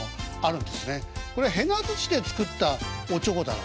これへな土で作ったおちょこだろ。